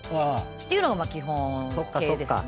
ていうのが基本形ですね。